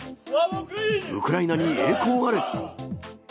ウクライナに栄光あれ！